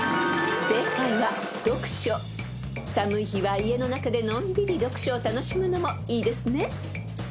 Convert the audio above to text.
［寒い日は家の中でのんびり読書を楽しむのもいいですね］